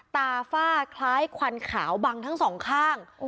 ฝ้าคล้ายควันขาวบังทั้งสองข้าง